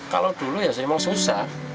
kalau dulu ya saya memang susah